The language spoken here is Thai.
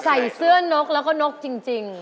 ใส่เสื้อนกแล้วก็นกจริง